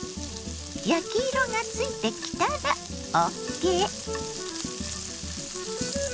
焼き色がついてきたらＯＫ！